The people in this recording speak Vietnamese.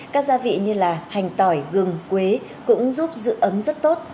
các gia vị như là hành tỏi gừng quế cũng giúp giữ ấm rất tốt